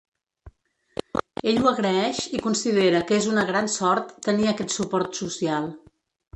Ell ho agraeix i considera que és una gran sort tenir aquest suport social.